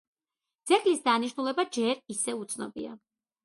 ძეგლის დანიშნულება ჯერ ისევ უცნობია.